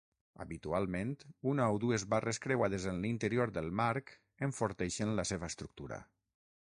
Habitualment, una o dues barres creuades en l'interior del marc enforteixen la seva estructura.